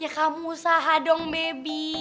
ya kamu usaha dong baby